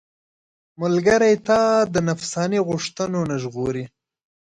ملګری تا د نفساني غوښتنو نه ژغوري.